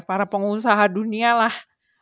para pengusaha dunia lah